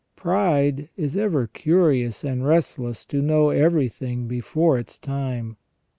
Pride is ever curious and restless to know everything before its time.